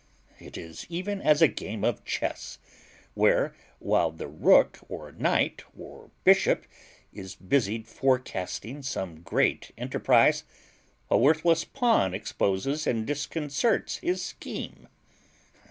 It is even as a game of chess, where, while the rook, or knight, or bishop, is busied forecasting some great enterprize, a worthless pawn exposes and disconcerts his scheme.